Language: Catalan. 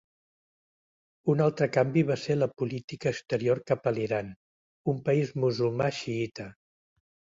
Un altre canvi va ser la política exterior cap a l'Iran, un país musulmà xiïta.